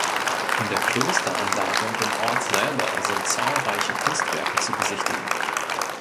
In der Klosteranlage und im Ort selber sind zahlreiche Kunstwerke zu besichtigen.